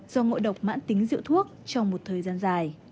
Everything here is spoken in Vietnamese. do ngội độc mãn tính rượu thuốc trong một thời gian dài